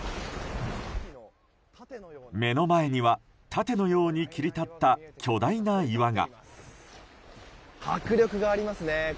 目の前には盾のように切り立った巨大な岩が。